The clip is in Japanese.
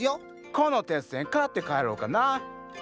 このテッセン買って帰ろうかな！